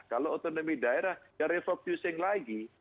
kalau otonomi daerah ya refocusing lagi